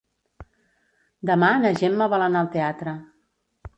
Demà na Gemma vol anar al teatre.